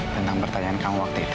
tentang pertanyaan kamu waktu itu